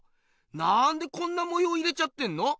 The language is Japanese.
なんでこんな模様入れちゃってんの？